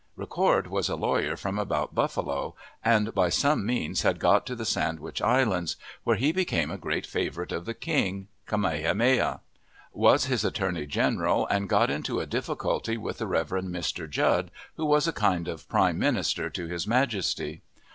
Ricord was a lawyer from about Buffalo, and by some means had got to the Sandwich Islands, where he became a great favorite of the king, Kamehameha; was his attorney general, and got into a difficulty with the Rev. Mr. Judd, who was a kind of prime minister to his majesty.